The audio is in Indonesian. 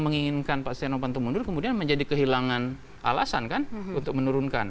menginginkan pak setia novanto mundur kemudian menjadi kehilangan alasan kan untuk menurunkan